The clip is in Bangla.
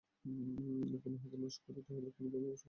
এখন উহাকে নাশ করিতে হইলে কোন ধর্মের আবশ্যকতা নাই।